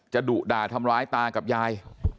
ดุด่าทำร้ายตากับยาย